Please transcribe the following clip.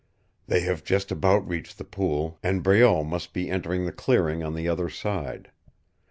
"They have just about reached the pool, and Breault must be entering the clearing on the other side.